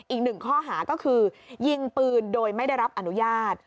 อีกหนึ่งข้อหาก็คือยิงปืนโดยไม่ได้รับอนุญาต